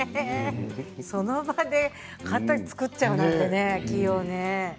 その場で型を作っちゃうなんてね器用ね。